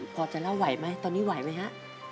พอจะเล่าไหวไหมตอนนี้ไหวไหมฮะ